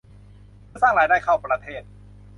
เพื่อสร้างรายได้เข้าประเทศ